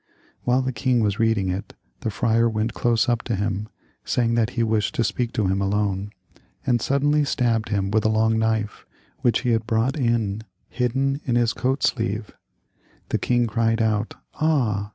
While the king was read ing it the friar went close up to him, saying that he wished to speak to him alone, and suddenly stabbed him with a long knife which he had brought in hidden in his coat sleeve. The king cried out, " Ah